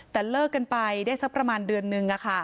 แต่เลิกกันไปได้สักประมาณเดือนนึง